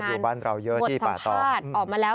มีรายงานบทสัมภาษณ์ออกมาแล้ว